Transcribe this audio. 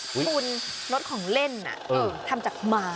คุณรถของเล่นอ่ะเออทำจากไม้